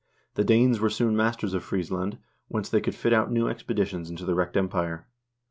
The Danes were soon masters of Friesland, whence they could fit out new expeditions into the wrecked Empire.